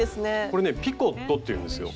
これね「ピコット」っていうんですよ。